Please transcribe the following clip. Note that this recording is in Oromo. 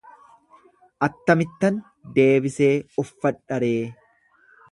Attamittan deebisee uffadha ree.